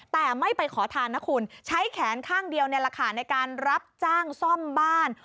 แต่ไม่ไปขอทานนะคุณใช้แขนข้างเดียวนี่แหละค่ะในการรับจ้างซ่อมบ้าน